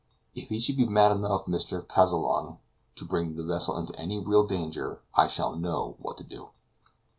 "If he should be mad enough, Mr. Kazallon, to bring the vessel into any real danger, I shall know what to do."